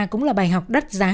cũng là bài học đắt giá